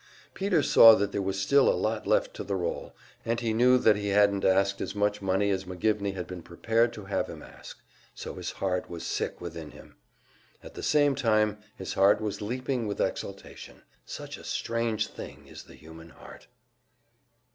Peter saw that there was still a lot left to the roll, and knew that he hadn't asked as much money as McGivney had been prepared to have him ask; so his heart was sick within him. At the same time his heart was leaping with exultation such a strange thing is the human heart!